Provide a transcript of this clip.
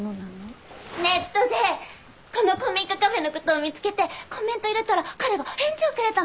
ネットでこの古民家カフェの事を見つけてコメント入れたら彼が返事をくれたの。